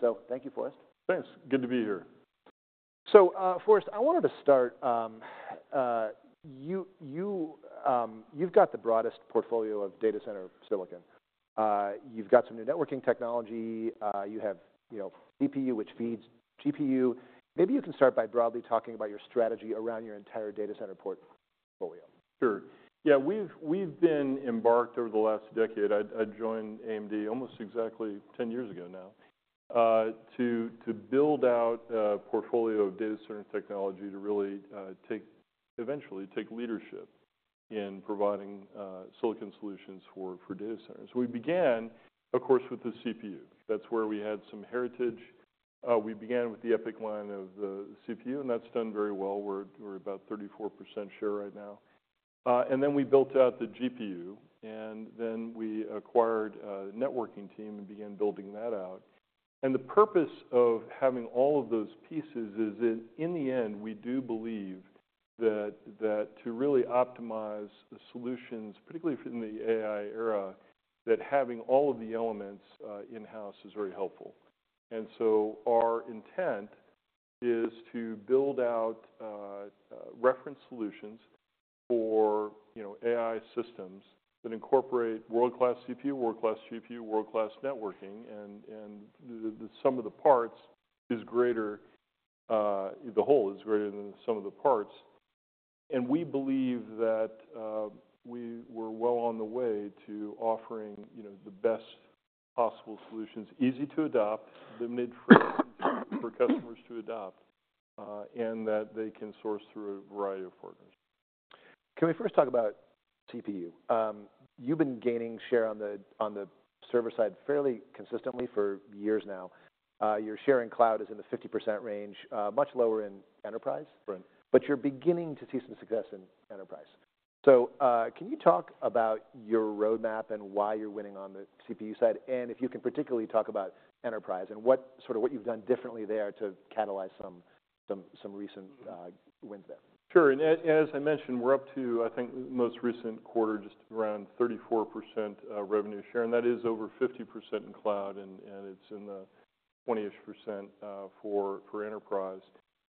So thank you, Forrest. Thanks. Good to be here. So, Forrest, I wanted to start. You've got the broadest portfolio of data center silicon. You've got some new networking technology. You have, you know, CPU which feeds GPU. Maybe you can start by broadly talking about your strategy around your entire data center portfolio. Sure. Yeah. We've been embarked over the last decade. I joined AMD almost exactly 10 years ago now, to build out a portfolio of data center technology to really, eventually take leadership in providing silicon solutions for data centers. We began, of course, with the CPU. That's where we had some heritage. We began with the EPYC line of the CPU, and that's done very well. We're about 34% share right now, and then we built out the GPU, and then we acquired a networking team and began building that out. The purpose of having all of those pieces is that in the end, we do believe that to really optimize the solutions, particularly for the AI era, that having all of the elements in-house is very helpful. And so our intent is to build out reference solutions for, you know, AI systems that incorporate world-class CPU, world-class GPU, world-class networking, and the sum of the parts is greater. The whole is greater than the sum of the parts. And we believe that we were well on the way to offering, you know, the best possible solutions, easy to adopt, limited for customers to adopt, and that they can source through a variety of partners. Can we first talk about CPU? You've been gaining share on the server side fairly consistently for years now. Your share in cloud is in the 50% range, much lower in enterprise. Right. But you're beginning to see some success in enterprise. So, can you talk about your roadmap and why you're winning on the CPU side? And if you can particularly talk about enterprise and what sort of you've done differently there to catalyze some recent wins there. Sure. And as I mentioned, we're up to, I think, the most recent quarter, just around 34% revenue share. And that is over 50% in cloud, and it's in the 20-ish% for enterprise.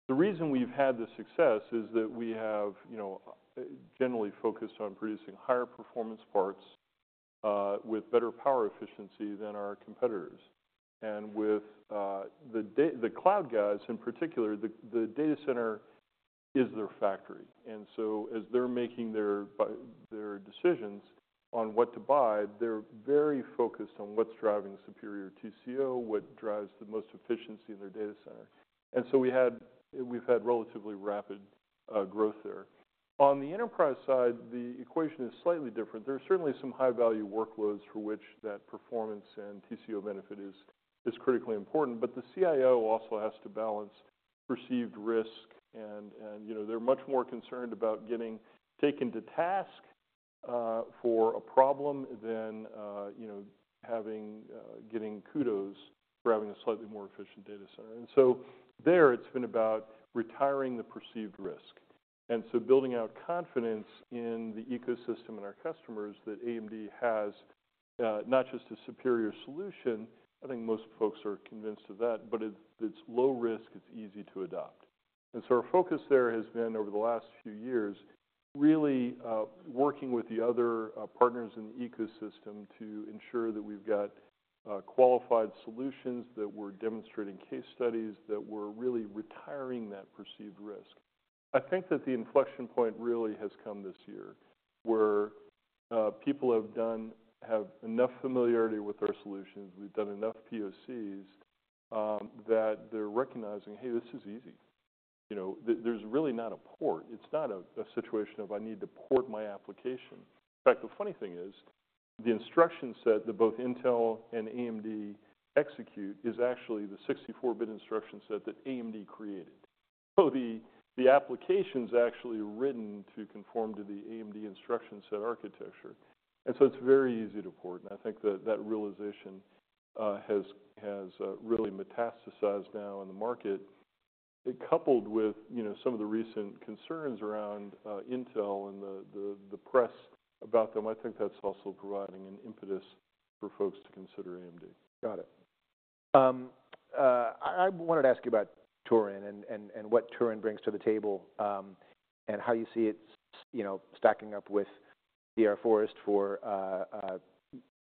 The reason we've had the success is that we have, you know, generally focused on producing higher performance parts with better power efficiency than our competitors. And with the cloud guys in particular, the data center is their factory. And so as they're making their decisions on what to buy, they're very focused on what's driving superior TCO, what drives the most efficiency in their data center. And so we've had relatively rapid growth there. On the enterprise side, the equation is slightly different. There are certainly some high-value workloads for which that performance and TCO benefit is critically important. But the CIO also has to balance perceived risk and, you know, they're much more concerned about getting taken to task for a problem than, you know, getting kudos for having a slightly more efficient data center. And so there, it's been about retiring the perceived risk and so building out confidence in the ecosystem and our customers that AMD has not just a superior solution. I think most folks are convinced of that, but it's low risk. It's easy to adopt. And so our focus there has been over the last few years, really, working with the other partners in the ecosystem to ensure that we've got qualified solutions that we're demonstrating case studies that we're really retiring that perceived risk. I think that the inflection point really has come this year where people have enough familiarity with our solutions. We've done enough POCs that they're recognizing, "Hey, this is easy." You know, there's really not a port. It's not a situation of, "I need to port my application." In fact, the funny thing is the instruction set that both Intel and AMD execute is actually the 64-bit instruction set that AMD created. So the application's actually written to conform to the AMD instruction set architecture. And so it's very easy to port. And I think that realization has really metastasized now in the market, coupled with, you know, some of the recent concerns around Intel and the press about them. I think that's also providing an impetus for folks to consider AMD. Got it. I wanted to ask you about Turin and what Turin brings to the table, and how you see it, you know, stacking up with Sierra Forest for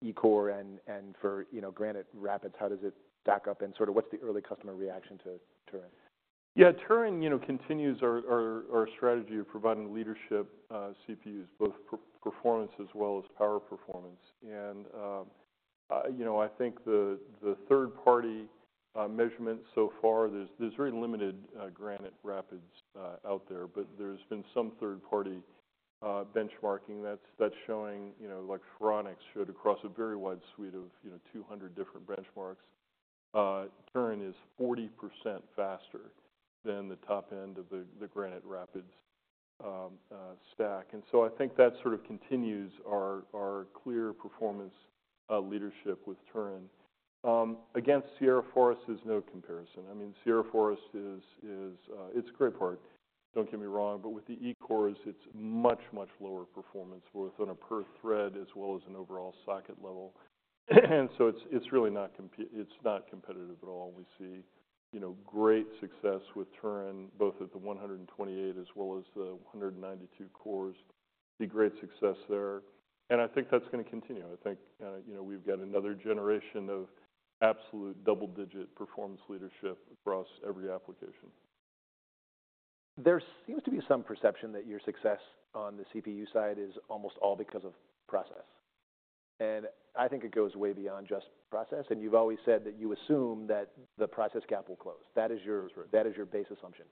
E-core and for, you know, Granite Rapids. How does it stack up? And sort of what's the early customer reaction to Turin? Yeah. Turin, you know, continues our strategy of providing leadership CPUs, both per-performance as well as power performance. And, you know, I think the third-party measurements so far, there's very limited Granite Rapids out there, but there's been some third-party benchmarking that's showing, you know, like Phoronix showed across a very wide suite of, you know, 200 different benchmarks. Turin is 40% faster than the top end of the Granite Rapids stack. And so I think that sort of continues our clear performance leadership with Turin against Sierra Forest. There's no comparison. I mean, Sierra Forest is a great part. Don't get me wrong. But with the E-cores, it's much, much lower performance both on a per-thread as well as an overall socket level. And so it's really not competitive at all. We see, you know, great success with Turin, both at the 128 as well as the 192 cores. The great success there, and I think that's gonna continue. I think, you know, we've got another generation of absolute double-digit performance leadership across every application. There seems to be some perception that your success on the CPU side is almost all because of process. And I think it goes way beyond just process. And you've always said that you assume that the process gap will close. That is your. That's right. That is your base assumption.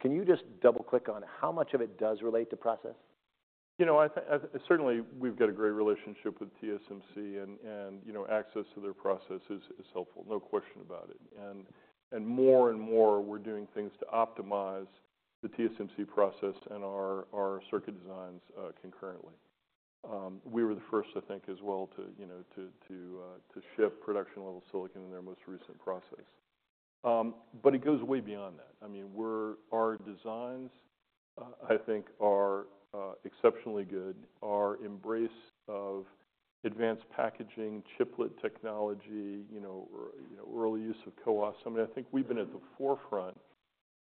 Can you just double-click on how much of it does relate to process? You know, I think, certainly, we've got a great relationship with TSMC and, you know, access to their process is helpful. No question about it. And more and more, we're doing things to optimize the TSMC process and our circuit designs concurrently. We were the first, I think, as well to, you know, ship production-level silicon in their most recent process. But it goes way beyond that. I mean, our designs, I think, are exceptionally good. Our embrace of advanced packaging, chiplet technology, you know, early use of CoWoS. I think we've been at the forefront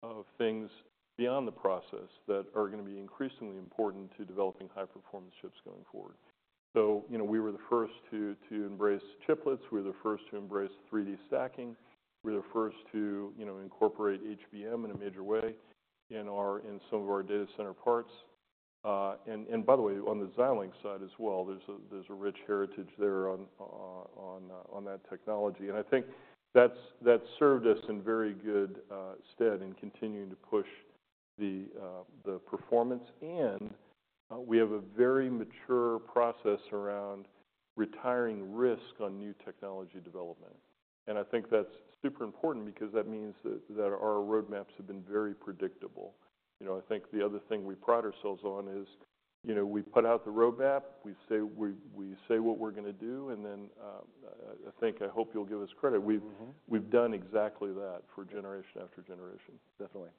of things beyond the process that are gonna be increasingly important to developing high-performance chips going forward. So, you know, we were the first to embrace chiplets. We were the first to embrace 3D stacking. We were the first to, you know, incorporate HBM in a major way in some of our data center parts, and by the way, on the Xilinx side as well, there's a rich heritage there on that technology, and I think that's served us in very good stead in continuing to push the performance, and we have a very mature process around retiring risk on new technology development, and I think that's super important because that means that our roadmaps have been very predictable. You know, I think the other thing we pride ourselves on is, you know, we put out the roadmap. We say what we're gonna do, and then, I think I hope you'll give us credit. We've. Mm-hmm. We've done exactly that for generation after generation. Definitely.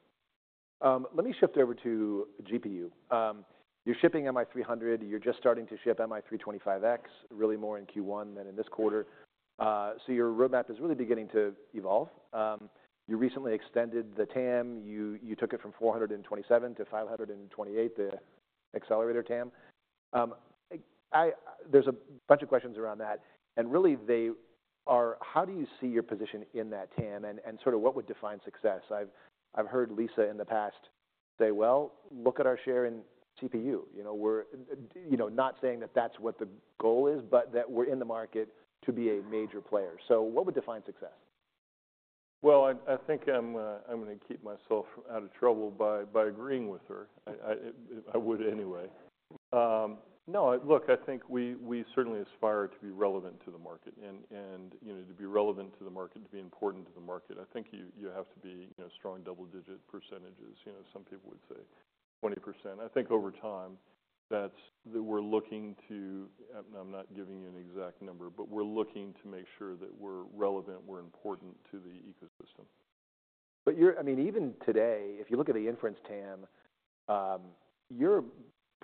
Let me shift over to GPU. You're shipping MI300. You're just starting to ship MI325X, really more in Q1 than in this quarter, so your roadmap is really beginning to evolve. You recently extended the TAM. You took it from 427 to 528, the accelerator TAM. There's a bunch of questions around that, and really, they are how do you see your position in that TAM and sort of what would define success? I've heard Lisa in the past say, "Well, look at our share in CPU." You know, we're, you know, not saying that that's what the goal is, but that we're in the market to be a major player, so what would define success? I think I'm gonna keep myself out of trouble by agreeing with her. I would anyway. No. Look, I think we certainly aspire to be relevant to the market and, you know, to be relevant to the market, to be important to the market. I think you have to be, you know, strong double-digit percentages. You know, some people would say 20%. I think over time, that's what we're looking to, and I'm not giving you an exact number, but we're looking to make sure that we're relevant, we're important to the ecosystem. You're, I mean, even today, if you look at the inference TAM, you're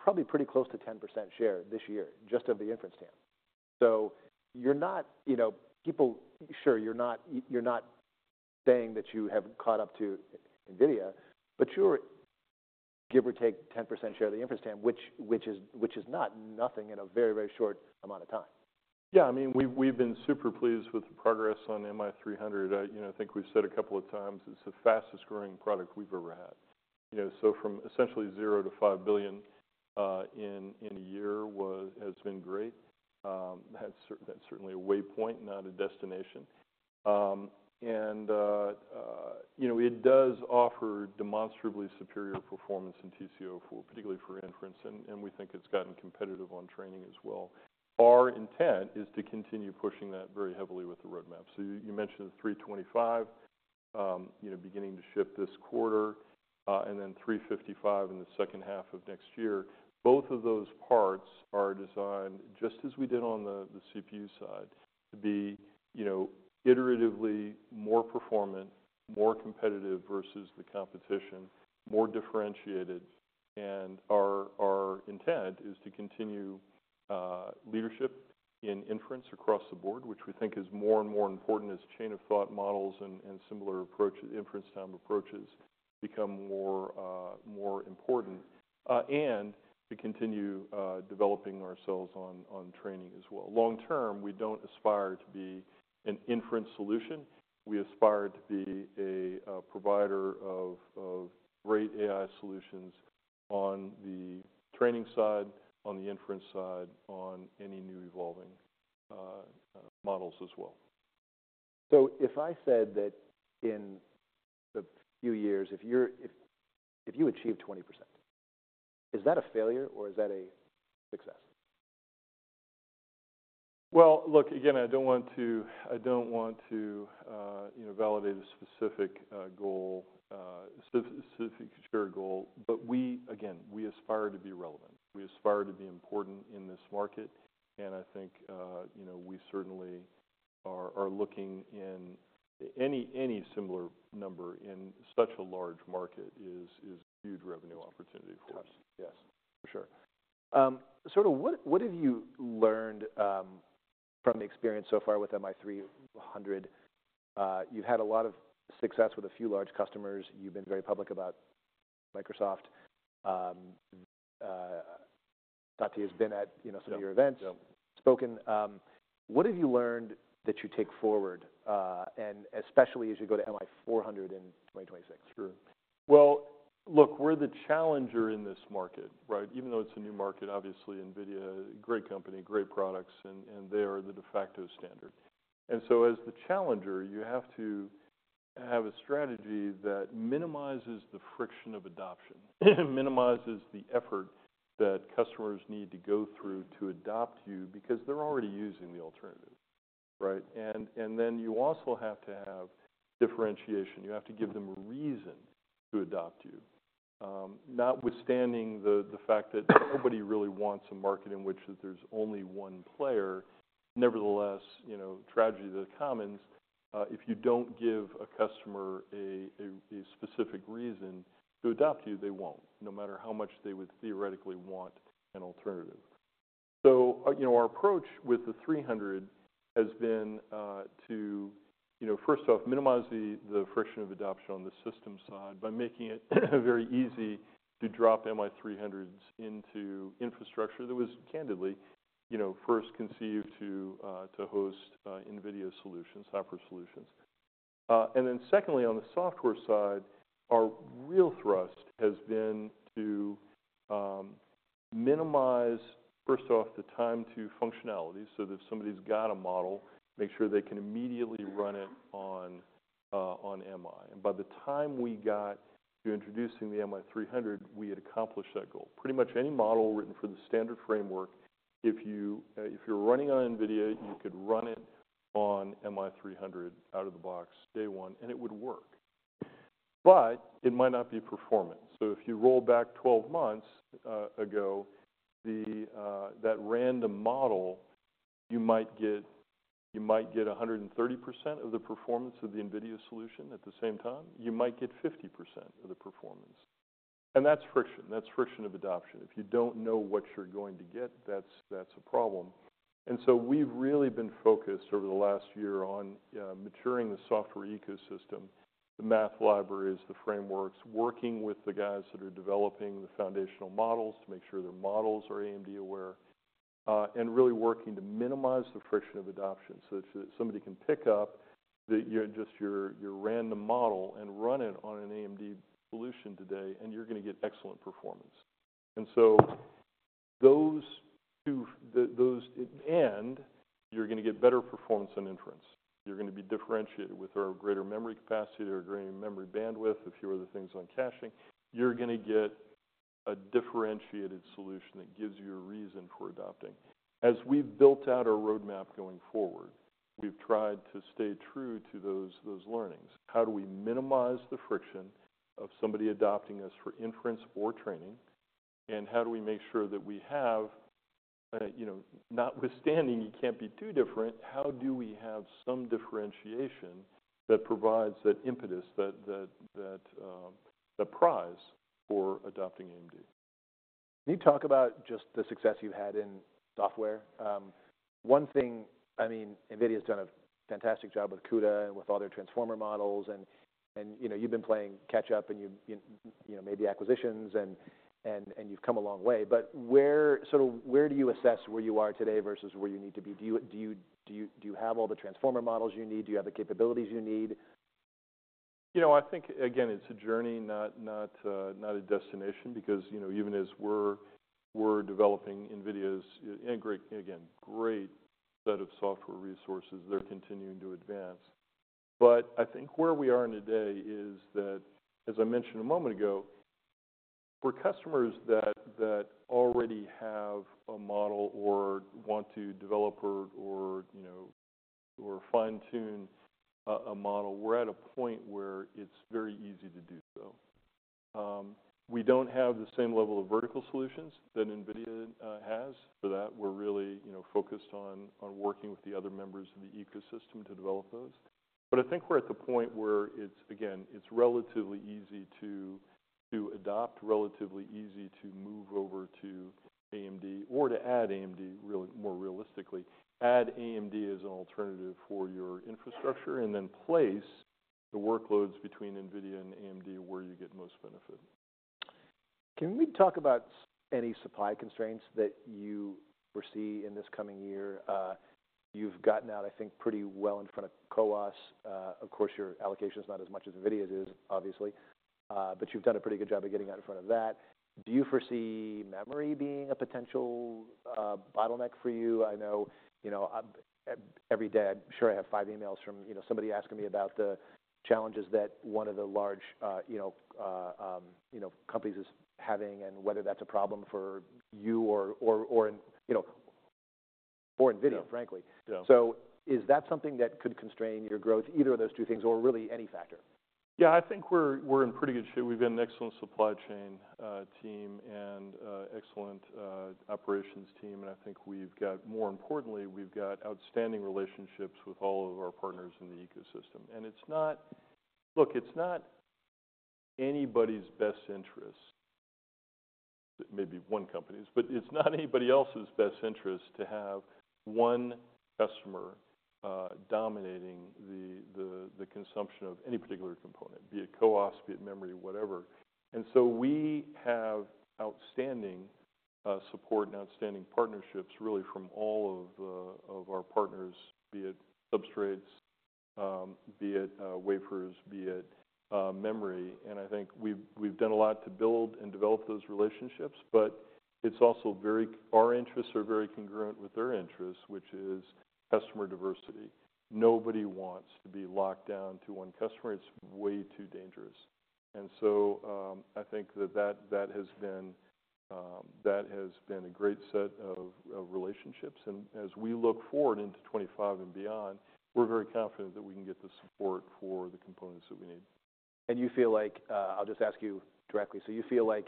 probably pretty close to 10% share this year just of the inference TAM. So you're not, you know, you're not saying that you have caught up to NVIDIA, but you're, give or take, 10% share of the inference TAM, which is not nothing in a very, very short amount of time. Yeah. I mean, we've been super pleased with the progress on MI300. I, you know, I think we've said a couple of times it's the fastest-growing product we've ever had. You know, so from essentially $0-$5 billion in a year has been great. That's certainly a waypoint, not a destination. And, you know, it does offer demonstrably superior performance in TCO particularly for inference. And we think it's gotten competitive on training as well. Our intent is to continue pushing that very heavily with the roadmap. So you mentioned the 325, you know, beginning to ship this quarter, and then 355 in the second half of next year. Both of those parts are designed just as we did on the CPU side to be, you know, iteratively more performant, more competitive versus the competition, more differentiated. And our intent is to continue leadership in inference across the board, which we think is more and more important as chain-of-thought models and similar approaches, inference TAM approaches become more important, and to continue developing ourselves on training as well. Long term, we don't aspire to be an inference solution. We aspire to be a provider of great AI solutions on the training side, on the inference side, on any new evolving models as well. If I said that in a few years, if you achieve 20%, is that a failure or is that a success? Look, again, I don't want to I don't want to, you know, validate a specific goal, specific share goal. But we, again, we aspire to be relevant. We aspire to be important in this market. And I think, you know, we certainly are, are looking in any, any similar number in such a large market is, is a huge revenue opportunity for us. Got it. Yes. For sure. Sort of, what have you learned from experience so far with MI300? You've had a lot of success with a few large customers. You've been very public about Microsoft. Meta has been at, you know, some of your events. Yeah. Yeah. What have you learned that you take forward, and especially as you go to MI400 in 2026? Sure. Well, look, we're the challenger in this market, right? Even though it's a new market, obviously, NVIDIA, great company, great products, and they are the de facto standard. And so as the challenger, you have to have a strategy that minimizes the friction of adoption, minimizes the effort that customers need to go through to adopt you because they're already using the alternative, right? And then you also have to have differentiation. You have to give them a reason to adopt you, notwithstanding the fact that nobody really wants a market in which there's only one player. Nevertheless, you know, tragedy of the commons, if you don't give a customer a specific reason to adopt you, they won't, no matter how much they would theoretically want an alternative. So, you know, our approach with the 300 has been to, you know, first off, minimize the friction of adoption on the system side by making it very easy to drop MI300s into infrastructure that was candidly, you know, first conceived to host NVIDIA solutions, software solutions. And then secondly, on the software side, our real thrust has been to minimize, first off, the time to functionality so that if somebody's got a model, make sure they can immediately run it on MI. And by the time we got to introducing the MI300, we had accomplished that goal. Pretty much any model written for the standard framework, if you, if you're running on NVIDIA, you could run it on MI300 out of the box day one, and it would work. But it might not be performance. So if you roll back 12 months ago, that random model, you might get 130% of the performance of the NVIDIA solution at the same time. You might get 50% of the performance. And that's friction. That's friction of adoption. If you don't know what you're going to get, that's a problem. And so we've really been focused over the last year on maturing the software ecosystem, the math libraries, the frameworks, working with the guys that are developing the foundational models to make sure their models are AMD-aware, and really working to minimize the friction of adoption such that somebody can pick up the, you know, just your random model and run it on an AMD solution today, and you're gonna get excellent performance. And so those two those, and you're gonna get better performance on inference. You're gonna be differentiated with our greater memory capacity, our greater memory bandwidth, a few other things on caching. You're gonna get a differentiated solution that gives you a reason for adopting. As we've built out our roadmap going forward, we've tried to stay true to those learnings. How do we minimize the friction of somebody adopting us for inference or training? And how do we make sure that we have, you know, notwithstanding you can't be too different, how do we have some differentiation that provides that impetus, that prize for adopting AMD? Can you talk about just the success you've had in software? One thing, I mean, NVIDIA's done a fantastic job with CUDA and with all their transformer models. And, you know, you've been playing catch-up and you've, you know, made the acquisitions and, and you've come a long way. But where do you assess where you are today versus where you need to be? Do you have all the transformer models you need? Do you have the capabilities you need? You know, I think, again, it's a journey, not a destination because, you know, even as we're developing NVIDIA's great set of software resources, they're continuing to advance. But I think where we are today is that, as I mentioned a moment ago, for customers that already have a model or want to develop or, you know, or fine-tune a model, we're at a point where it's very easy to do so. We don't have the same level of vertical solutions that NVIDIA has for that. We're really, you know, focused on working with the other members of the ecosystem to develop those. But I think we're at the point where it's, again, relatively easy to adopt, relatively easy to move over to AMD or to add AMD, really more realistically, add AMD as an alternative for your infrastructure and then place the workloads between NVIDIA and AMD where you get most benefit. Can we talk about any supply constraints that you foresee in this coming year? You've gotten out, I think, pretty well in front of CoWoS. Of course, your allocation's not as much as NVIDIA's is, obviously, but you've done a pretty good job of getting out in front of that. Do you foresee memory being a potential bottleneck for you? I know, you know, every day I'm sure I have five emails from, you know, somebody asking me about the challenges that one of the large, you know, companies is having and whether that's a problem for you or, you know, or NVIDIA, frankly. Yeah. Yeah. So is that something that could constrain your growth, either of those two things or really any factor? Yeah. I think we're in pretty good shape. We've got an excellent supply chain team and excellent operations team. And I think, more importantly, we've got outstanding relationships with all of our partners in the ecosystem. And it's not anybody's best interest, maybe one company's, but it's not anybody else's best interest to have one customer dominating the consumption of any particular component, be it CoWoS, be it memory, whatever. And so we have outstanding support and outstanding partnerships really from all of our partners, be it substrates, be it wafers, be it memory. And I think we've done a lot to build and develop those relationships, but it's also our interests are very congruent with their interests, which is customer diversity. Nobody wants to be locked down to one customer. It's way too dangerous. And so, I think that has been a great set of relationships. And as we look forward into 2025 and beyond, we're very confident that we can get the support for the components that we need. And you feel like, I'll just ask you directly. So you feel like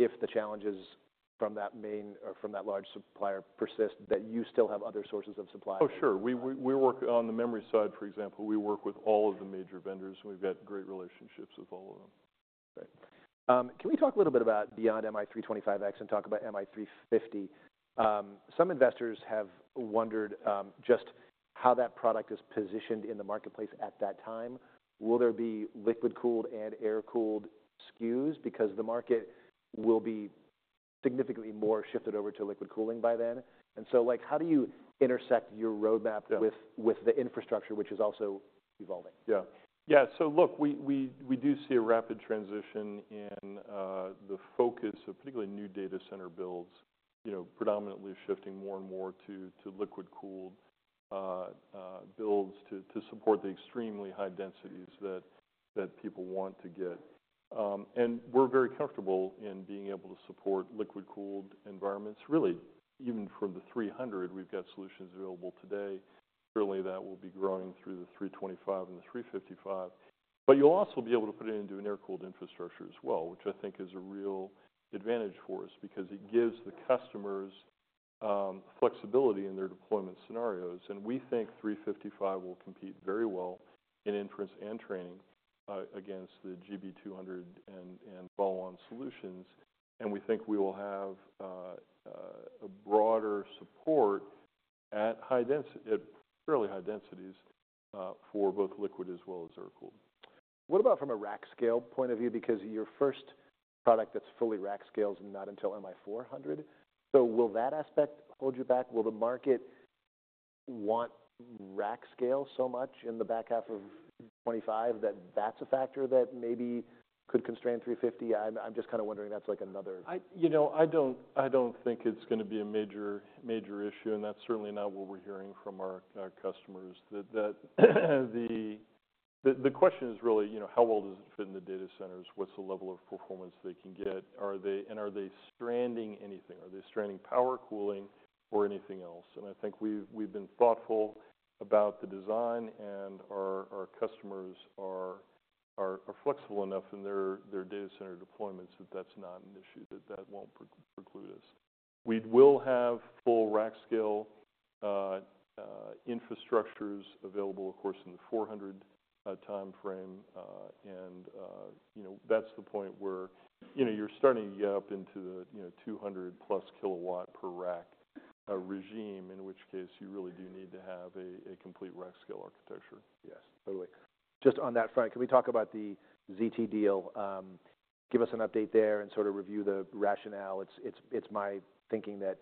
if the challenges from that main or from that large supplier persist, that you still have other sources of supply? Oh, sure. We work on the memory side, for example. We work with all of the major vendors, and we've got great relationships with all of them. Great. Can we talk a little bit about beyond MI325X and talk about MI350? Some investors have wondered, just how that product is positioned in the marketplace at that time. Will there be liquid-cooled and air-cooled SKUs? Because the market will be significantly more shifted over to liquid cooling by then. And so, like, how do you intersect your roadmap with the infrastructure, which is also evolving? Yeah. So look, we do see a rapid transition in the focus of particularly new data center builds, you know, predominantly shifting more and more to liquid-cooled builds to support the extremely high densities that people want to get. We're very comfortable in being able to support liquid-cooled environments. Really, even for the 300, we've got solutions available today. Surely that will be growing through the 325 and the 355. But you'll also be able to put it into an air-cooled infrastructure as well, which I think is a real advantage for us because it gives the customers flexibility in their deployment scenarios. We think 355 will compete very well in inference and training against the GB200 and follow-on solutions. We think we will have a broader support at high density, at fairly high densities, for both liquid as well as air-cooled. What about from a rack scale point of view? Because your first product that's fully rack scale's not until MI400. So will that aspect hold you back? Will the market want rack scale so much in the back half of 2025 that that's a factor that maybe could constrain 350? I'm just kind of wondering that's like another. You know, I don't think it's gonna be a major issue. And that's certainly not what we're hearing from our customers, that the question is really, you know, how well does it fit in the data centers? What's the level of performance they can get? Are they stranding anything? Are they stranding power cooling or anything else? And I think we've been thoughtful about the design, and our customers are flexible enough in their data center deployments that that's not an issue, that won't preclude us. We will have full rack scale infrastructures available, of course, in the 400 timeframe. You know, that's the point where, you know, you're starting to get up into the, you know, 200-plus kilowatt per rack regime, in which case you really do need to have a complete rack scale architecture. Yes. Totally. Just on that front, can we talk about the ZT deal? Give us an update there and sort of review the rationale. It's my thinking that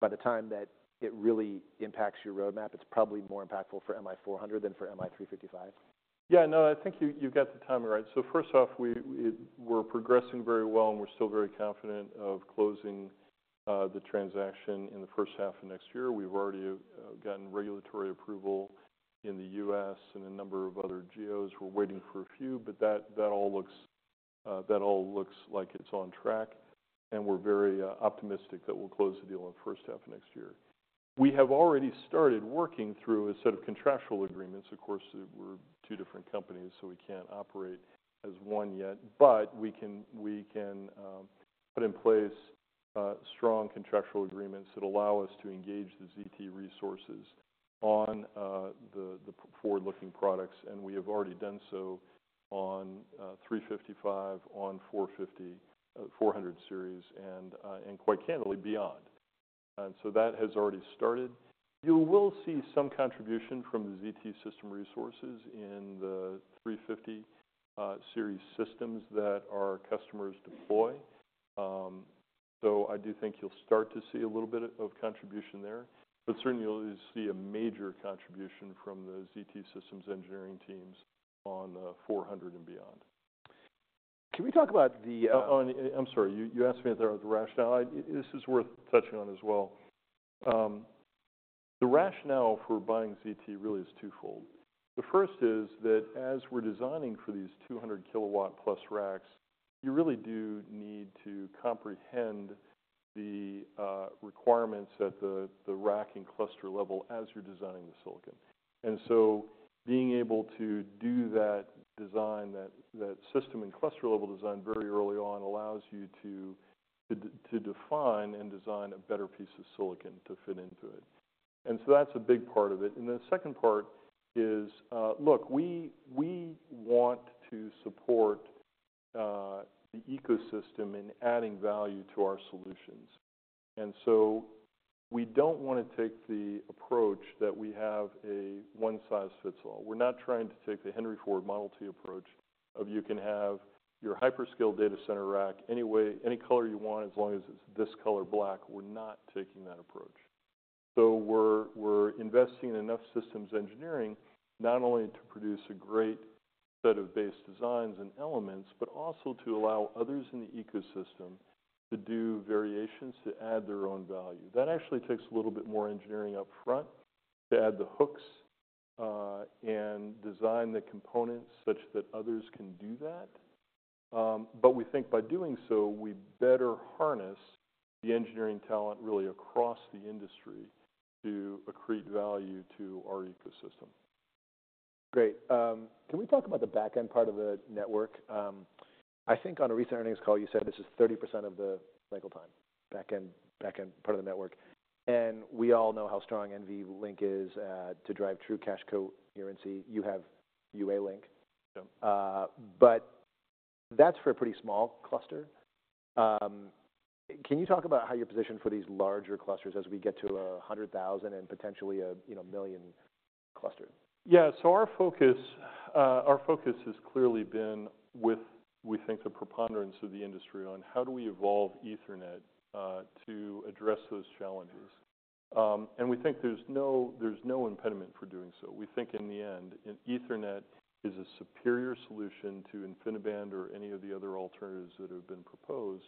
by the time that it really impacts your roadmap, it's probably more impactful for MI400 than for MI355. Yeah. No, I think you got the timing right. So first off, we're progressing very well, and we're still very confident of closing the transaction in the first half of next year. We've already gotten regulatory approval in the US and a number of other geos. We're waiting for a few, but that all looks like it's on track. And we're very optimistic that we'll close the deal in the first half of next year. We have already started working through a set of contractual agreements. Of course, we're two different companies, so we can't operate as one yet, but we can put in place strong contractual agreements that allow us to engage the ZT resources on the forward-looking products. And we have already done so on 355, on 450, 400 series, and quite candidly, beyond. And so that has already started. You will see some contribution from the ZT Systems resources in the MI350 series systems that our customers deploy. So I do think you'll start to see a little bit of contribution there, but certainly you'll see a major contribution from the ZT Systems engineering teams on MI400 and beyond. Can we talk about the, Oh, I'm sorry. You asked me about the rationale. This is worth touching on as well. The rationale for buying ZT really is twofold. The first is that as we're designing for these 200-kilowatt-plus racks, you really do need to comprehend the requirements at the rack and cluster level as you're designing the silicon. So being able to do that system and cluster level design very early on allows you to define and design a better piece of silicon to fit into it. So that's a big part of it. The second part is, look, we want to support the ecosystem in adding value to our solutions. So we don't want to take the approach that we have a one-size-fits-all. We're not trying to take the Henry Ford Model T approach of you can have your hyperscale data center rack any way, any color you want as long as it's this color black. We're not taking that approach. So we're investing in enough systems engineering not only to produce a great set of base designs and elements, but also to allow others in the ecosystem to do variations to add their own value. That actually takes a little bit more engineering upfront to add the hooks, and design the components such that others can do that. But we think by doing so, we better harness the engineering talent really across the industry to accrete value to our ecosystem. Great. Can we talk about the backend part of the network? I think on a recent earnings call, you said this is 30% of the cycle time, backend, backend part of the network. And we all know how strong NVLink is, to drive true cache coherency. You have UALink. Yeah. But that's for a pretty small cluster. Can you talk about how you're positioned for these larger clusters as we get to 100,000 and potentially a, you know, million cluster? Yeah. So our focus, our focus has clearly been with, we think, the preponderance of the industry on how do we evolve Ethernet, to address those challenges. And we think there's no, there's no impediment for doing so. We think in the end, Ethernet is a superior solution to InfiniBand or any of the other alternatives that have been proposed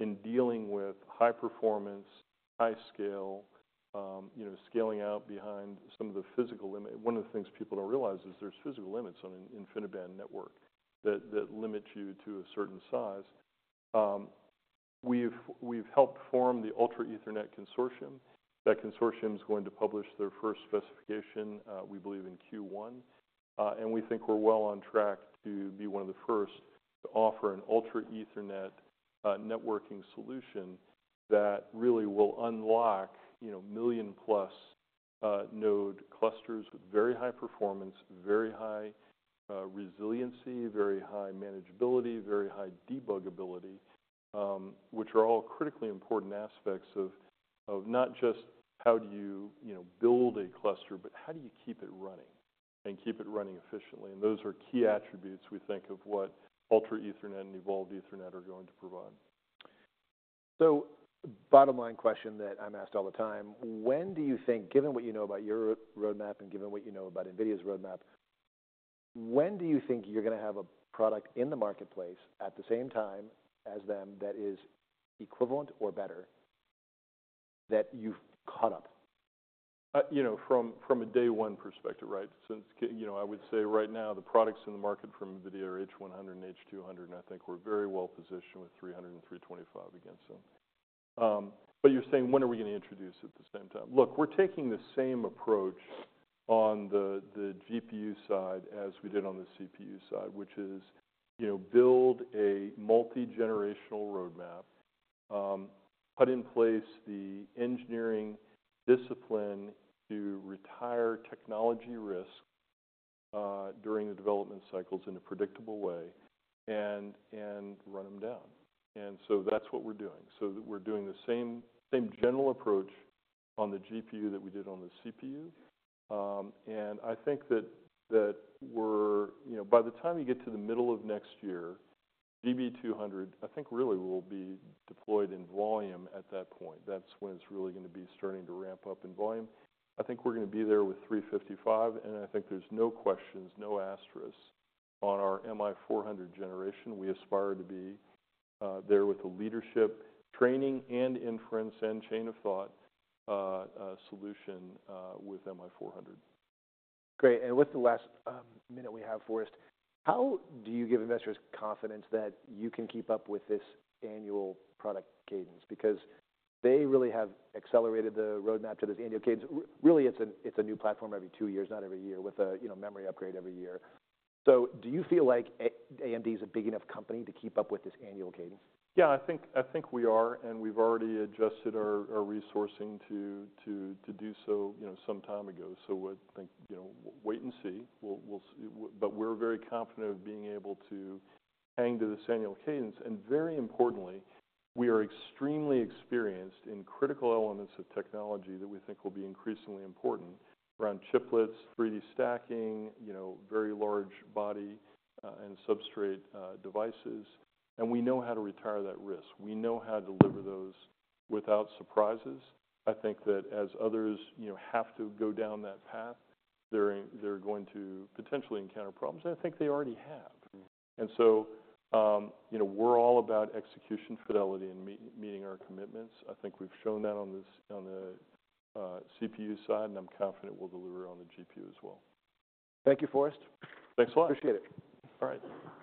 in dealing with high performance, high scale, you know, scaling out behind some of the physical limit. One of the things people don't realize is there's physical limits on an InfiniBand network that, that limits you to a certain size. We've, we've helped form the Ultra Ethernet Consortium. That consortium's going to publish their first specification, we believe in Q1. And we think we're well on track to be one of the first to offer an Ultra Ethernet networking solution that really will unlock, you know, million-plus node clusters with very high performance, very high resiliency, very high manageability, very high debuggability, which are all critically important aspects of not just how do you, you know, build a cluster, but how do you keep it running and keep it running efficiently. And those are key attributes we think of what Ultra Ethernet and Evolved Ethernet are going to provide. So bottom line question that I'm asked all the time. When do you think, given what you know about your roadmap and given what you know about NVIDIA's roadmap, when do you think you're gonna have a product in the marketplace at the same time as them that is equivalent or better that you've caught up? You know, from a day-one perspective, right? Since, you know, I would say right now the products in the market from NVIDIA are H100 and H200, and I think we're very well positioned with 300 and 325 against them. But you're saying when are we gonna introduce at the same time? Look, we're taking the same approach on the GPU side as we did on the CPU side, which is, you know, build a multi-generational roadmap, put in place the engineering discipline to retire technology risk during the development cycles in a predictable way and run them down. And so that's what we're doing. So we're doing the same general approach on the GPU that we did on the CPU. I think that we're, you know, by the time you get to the middle of next year, GB200, I think really will be deployed in volume at that point. That's when it's really gonna be starting to ramp up in volume. I think we're gonna be there with MI355, and I think there's no questions, no asterisk on our MI400 generation. We aspire to be there with the leadership, training, and inference and chain of thought solution with MI400. Great. And with the last minute we have for us, how do you give investors confidence that you can keep up with this annual product cadence? Because they really have accelerated the roadmap to this annual cadence. Really, it's a new platform every two years, not every year, with a you know memory upgrade every year. So do you feel like AMD's a big enough company to keep up with this annual cadence? Yeah. I think we are, and we've already adjusted our resourcing to do so, you know, some time ago. So I think, you know, wait and see. But we're very confident of being able to hang to this annual cadence. And very importantly, we are extremely experienced in critical elements of technology that we think will be increasingly important around chiplets, 3D stacking, you know, very large body, and substrate, devices. And we know how to retire that risk. We know how to deliver those without surprises. I think that as others, you know, have to go down that path, they're going to potentially encounter problems, and I think they already have. And so, you know, we're all about execution fidelity and meeting our commitments. I think we've shown that on the CPU side, and I'm confident we'll deliver on the GPU as well. Thank you, Forrest. Thanks a lot. Appreciate it. All right.